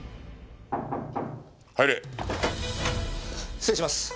失礼します。